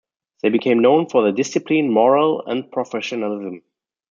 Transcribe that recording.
They became known for their discipline, morale and professionalism.